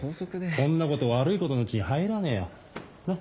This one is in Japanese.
こんなこと悪いことのうちに入らねえよなっ。